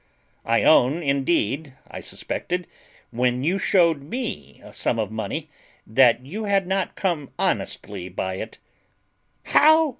I own indeed I suspected, when you shewed me a sum of money, that you had not come honestly by it."